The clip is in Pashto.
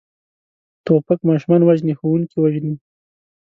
توپک ماشومان وژني، ښوونکي وژني.